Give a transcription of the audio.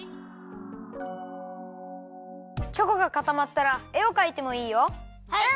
チョコがかたまったらえをかいてもいいよ。